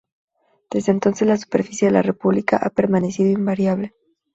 Desde entonces, la superficie de la República ha permanecido invariable.